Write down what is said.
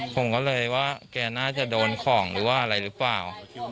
ผมก็เลยว่าแกน่าจะโดนของหรือว่าอะไรหรือเปล่า